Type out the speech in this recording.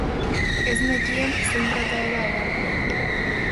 Ez nekien zein trataera erabili.